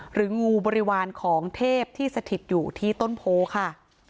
หรืองูบริวารของเทพที่สถิตอยู่ที่ต้นโพค่ะ